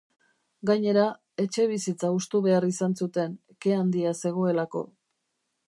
Gainera, etxebizitza hustu behar izan zuten, ke handia zegoelako.